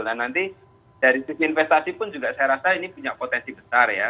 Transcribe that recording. dan nanti dari sisi investasi pun juga saya rasa ini punya potensi besar ya